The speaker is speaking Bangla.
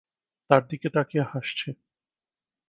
তার দিকে তাকিয়ে হাসছে।